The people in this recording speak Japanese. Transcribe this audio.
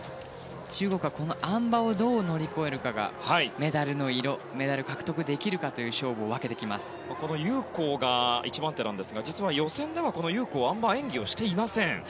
中国はあん馬をどう乗り越えるかがメダルの色、メダルを獲得できるかという勝負をユウ・コウが１番手ですが実は予選ではユウ・コウはあまり演技をしていません。